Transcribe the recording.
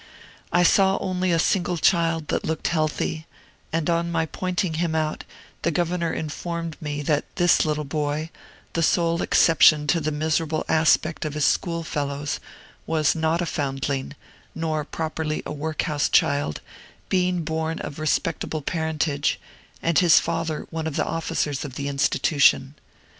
I saw only a single child that looked healthy; and on my pointing him out, the governor informed me that this little boy, the sole exception to the miserable aspect of his school fellows, was not a foundling, nor properly a work house child, being born of respectable parentage, and his father one of the officers of the institution.